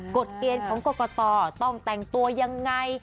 กฎเกณฑ์ของกรกตต้องแต่งตัวยังไง